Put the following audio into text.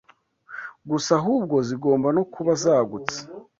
gusa ahubwo zigomba no kuba zagutse